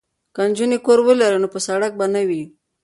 که نجونې کور ولري نو په سړک به نه وي.